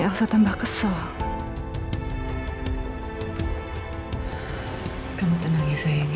aduh siapa yang bisa ikut kongsi kamu